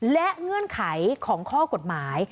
และเงื่อนไขของข้อกฎหมาย